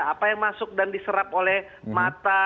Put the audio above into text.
apa yang masuk dan diserap oleh mata